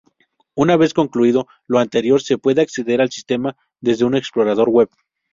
Una vez concluido lo anterior, se puede acceder al sistema desde un explorador web.